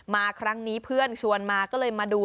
มาครั้งนี้เพื่อนชวนมาก็เลยมาดู